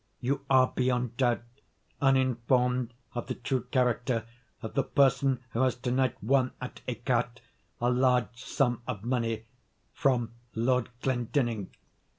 You are, beyond doubt, uninformed of the true character of the person who has to night won at écarté a large sum of money from Lord Glendinning.